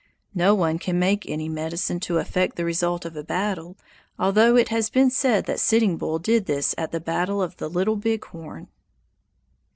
No one can make any "medicine" to affect the result of a battle, although it has been said that Sitting Bull did this at the battle of the Little Big Horn.